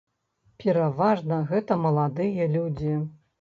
Пераважна гэта маладыя людзі.